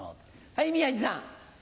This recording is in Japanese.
はい宮治さん。